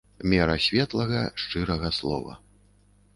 Мера светлага шчырага слова.